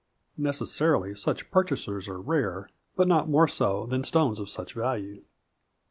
Necessarily such purchasers are rare, but not more so than stones of such value.